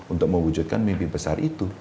untuk mewujudkan mimpi besar itu